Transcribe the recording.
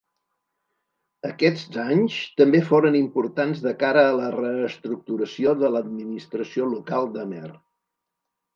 Aquests anys també foren importants de cara a la reestructuració de l'administració local d'Amer.